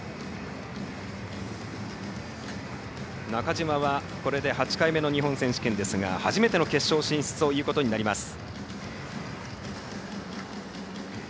中島は、これで８回目の日本選手権ですが初めての決勝進出ということになります。